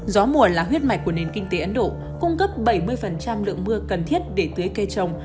gió mùa là huyết mạch của nền kinh tế ấn độ cung cấp bảy mươi lượng mưa cần thiết để tưới cây trồng